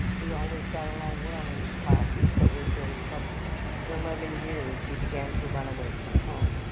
He always got along well in his classes, but was very troublesome. At 11 years he began to run away from home.